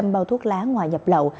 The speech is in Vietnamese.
bao thuốc lá ngoài nhập lậu